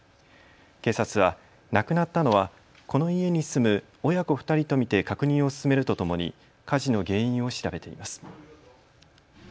警察は亡くなったのはこの家に住む親子２人と見て確認を進めるとともに火事の原因を調べています。